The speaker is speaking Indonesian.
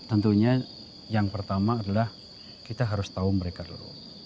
tentunya yang pertama adalah kita harus tahu mereka dulu